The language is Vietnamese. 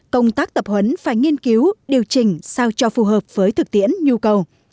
công tác tập huấn phải nghiên cứu điều chỉnh sao cho phù hợp với thực tiễn nhu cầu